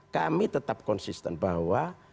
kami tetap konsisten bahwa